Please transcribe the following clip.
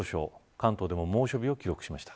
関東でも猛暑日を記録しました。